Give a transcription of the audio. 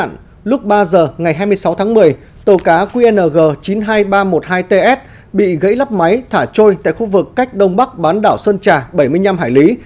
ng chín mươi hai nghìn ba trăm một mươi hai ts bị gãy lắp máy thả trôi tại khu vực cách đông bắc bán đảo sơn trà bảy mươi năm hải lý